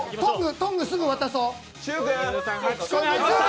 トングすぐ渡そう。